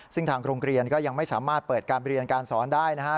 ซึ่งทางโรงเรียนก็ยังไม่สามารถเปิดการเรียนการสอนได้นะฮะ